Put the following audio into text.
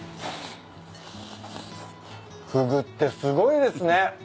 フグってすごいですね。